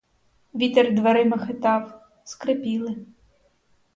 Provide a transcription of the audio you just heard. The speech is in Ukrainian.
Вітер дверима хитав, скрипіли.